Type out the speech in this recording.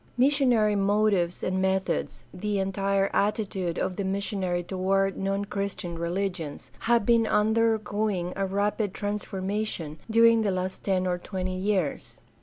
Missionary motives and methods, the entire attitude of the missionary toward non Christian religions, have been under going a rapid transformation during the last ten or twenty years.